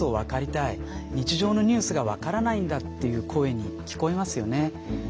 日常のニュースが分からないんだっていう声に聞こえますよね。